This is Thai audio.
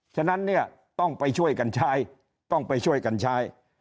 ฉะนั้นเนี่ยต้องไปช่วยกันใช้ต้องไปช่วยกันใช้